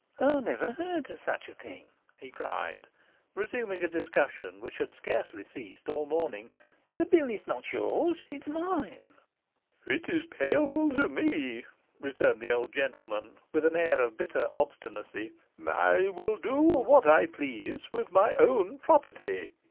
'I never heard of such a thing,' he cried, resuming a discussion which had scarcely ceased all morning. 'The bill is not yours; it is mine.' 'It is payable to me,' returned the old gentleman, with an air of bitter obstinacy. 'I will do what I please with my own property.